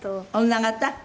女形？